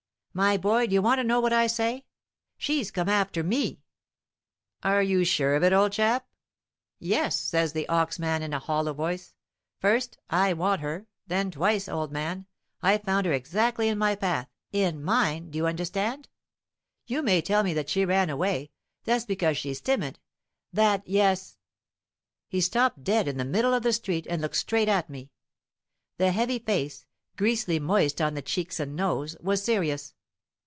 "My boy, d'you want to know what I say? She's come after me." "Are you sure of it, old chap?" "Yes," says the ox man, in a hollow voice. "First, I want her. Then, twice, old man, I've found her exactly in my path, in mine, d'you understand? You may tell me that she ran away; that's because she's timid, that, yes " He stopped dead in the middle of the street and looked straight at me. The heavy face, greasily moist on the cheeks and nose, was serious.